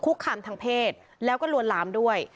คำทางเพศแล้วก็ลวนลามด้วย